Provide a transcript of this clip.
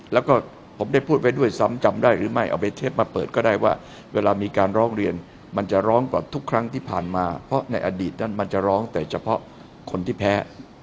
แล้วก็ผมได้พูดไว้ด้วยซ้ำจำได้หรือไม่เอาไปเทปมาเปิดก็ได้ว่าเวลามีการร้องเรียนมันจะร้องกว่าทุกครั้งที่ผ่านมาเพราะในอดีตนั้นมันจะร้องแต่เฉพาะคนที่แพ้